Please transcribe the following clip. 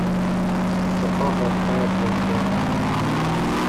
The popup ad was born.